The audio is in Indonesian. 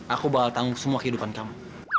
aku bakal tanggung semua kehidupan kamu